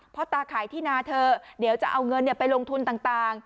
พ่อตาขายที่นาเถอะเดี๋ยวจะเอาเงินไปลงทุนต่าง